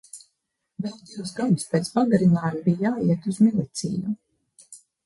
Vēl divus gadus pēc pagarinājuma bija jāiet uz miliciju.